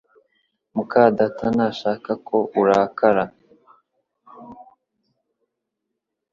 muka data ntashaka ko urakara